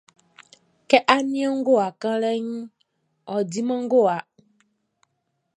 Kɛ á nían ngowa kanlɛʼn, ɔ diman ngowa.